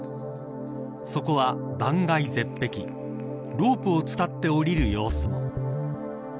そこは断崖絶壁ロープを伝って下りる様子も。